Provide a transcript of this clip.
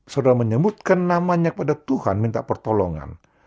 saudara menyebutkan namanya kepada tuhan minta pertolongan